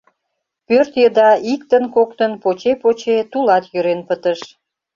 Пӧрт еда иктын-коктын, поче-поче тулат йӧрен пытыш.